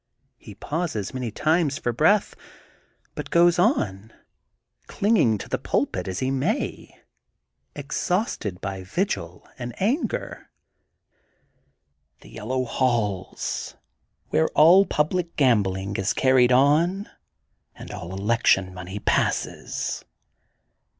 He pauses many times for breath but goes on, clinging to the pulpit as he may, exhausted by '^gil and anger: — The Yellow Halls, where all public gam bling is carried on and all election money passes!